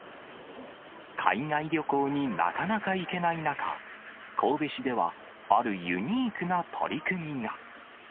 海外旅行になかなか行けない中、神戸市では、あるユニークな取り組みが。